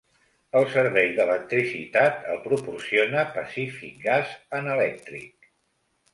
El servei d'electricitat el proporciona Pacific Gas and Electric.